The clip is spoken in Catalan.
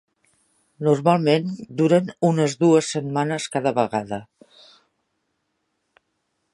Normalment duren unes dues setmanes cada vegada.